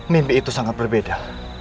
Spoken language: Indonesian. mimpi itu sangat berbeda